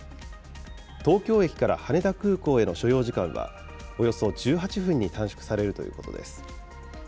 東京駅から羽田空港への所要時間はおよそ１８分に短縮されるということです。